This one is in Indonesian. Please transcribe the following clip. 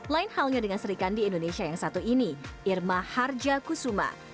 lain halnya dengan serikandi indonesia yang satu ini irma harja kusuma